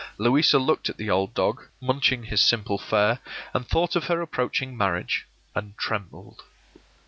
Louisa looked at the old dog munching his simple fare, and thought of her approaching marriage and trembled.